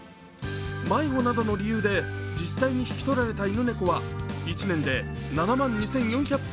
迷子などの理由で自治体に引き取られた犬猫は１年で７万２４００匹。